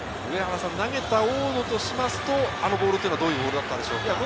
投げた大野としますと、あのボールはどういうボールだったんでしょうか？